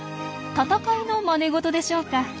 戦いのまね事でしょうか。